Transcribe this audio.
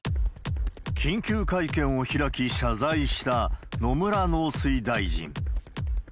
緊急会見を開き謝罪した野村農水大臣。